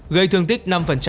gây thương tích năm